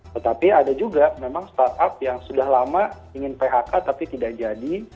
tetapi ada juga memang startup yang sudah lama ingin phk tapi tidak jadi